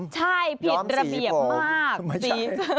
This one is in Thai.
ใช่ผิดระเบียบมากย้อมสีผม